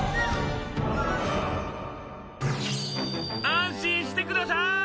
安心してください！